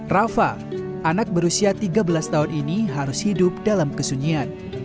rafa anak berusia tiga belas tahun ini harus hidup dalam kesunyian